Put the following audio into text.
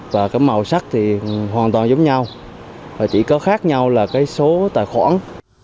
và cái màu sắc thì hoàn toàn giống nhau và chỉ có khác nhau là cái số tài khoản